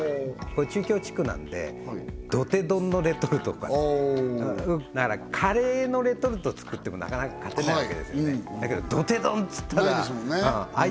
これ中京地区なんでどて丼のレトルトとかだからカレーのレトルトつくってもなかなか勝てないわけですよねだけどどて丼っつったらないですもんね